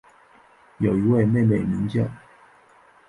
有一位妹妹名叫。